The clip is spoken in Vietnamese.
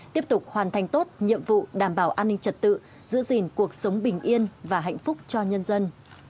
tiếp tục hoàn thành tốt nhiệm vụ đảm bảo an ninh trật tự giữ gìn cuộc sống bình yên và hạnh phúc cho nhân dân